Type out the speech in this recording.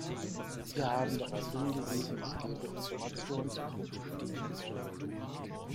Sie haben darauf hingewiesen, es gäbe Informationsbroschüren.